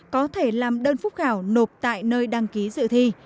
có thể làm đơn phúc khảo nộp tại nơi đăng ký dự thi